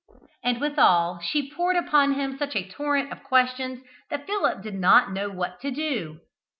And withal she poured upon him such a torrent of questions that Philip did not know what to do.